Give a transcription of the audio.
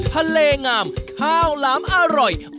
ทะเลงามข้าวหลามอร่อย